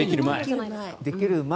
できる前？